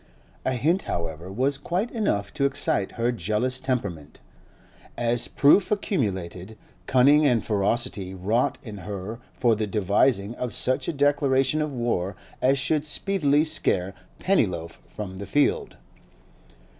A hint, however, was quite enough to excite her jealous temperament; as proof accumulated, cunning and ferocity wrought in her for the devising of such a declaration of war as should speedily scare Pennyloaf from the field.